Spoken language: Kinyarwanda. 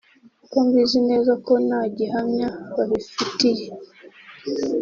ko mbizi neza ko nta gihamya babifitiye